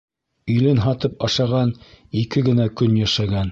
Илен һатып ашаған ике генә көн йәшәгән.